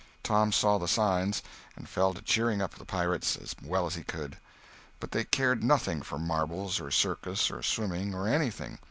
Tom saw the signs, and fell to cheering up the pirates as well as he could. But they cared nothing for marbles, or circus, or swimming, or anything.